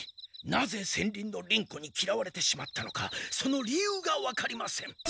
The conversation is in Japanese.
なぜ戦輪の輪子にきらわれてしまったのかその理由がわかりません。